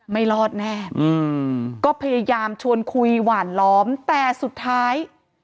ไม่รอดแน่อืมก็พยายามชวนคุยหวานล้อมแต่สุดท้าย